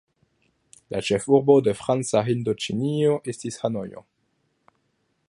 La ĉefurbo de Franca Hindoĉinio estis Hanojo.